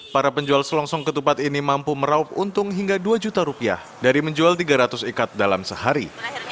para penjual selongsong ketupat ini mampu meraup untung hingga dua juta rupiah dari menjual tiga ratus ikat dalam sehari